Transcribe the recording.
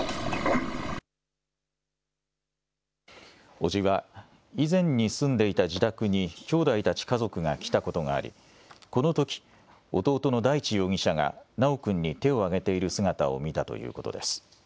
叔父は以前に住んでいた自宅にきょうだいたち家族が来たことがありこのとき弟の大地容疑者が修君に手を上げている姿を見たということです。